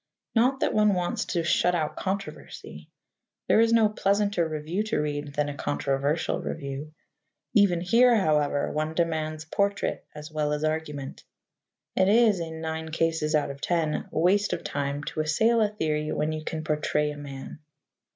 Not that one wants to shut out controversy. There is no pleasanter review to read than a controversial review. Even here, however, one demands portrait as well as argument. It is, in nine cases out of ten, waste of time to assail a theory when you can portray a man.